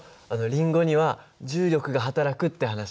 リンゴには重力がはたらくって話。